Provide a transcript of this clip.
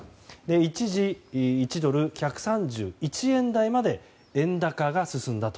一時、１ドル＝１３１円台まで円高が進んだと。